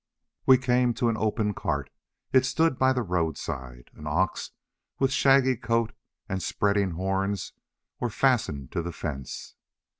We came to an open cart. It stood by the roadside. An ox with shaggy coat and spreading horns was fastened to the fence.